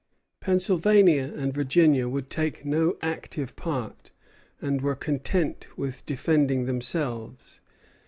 Pennsylvania and Virginia would take no active part, and were content with defending themselves.